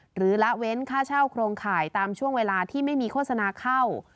ละเว้นค่าเช่าโครงข่ายตามช่วงเวลาที่ไม่มีโฆษณาเข้า